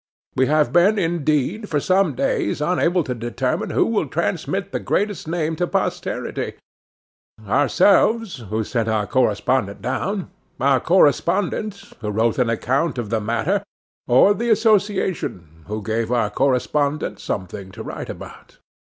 We have been, indeed, for some days unable to determine who will transmit the greatest name to posterity; ourselves, who sent our correspondent down; our correspondent, who wrote an account of the matter; or the association, who gave our correspondent something to write about.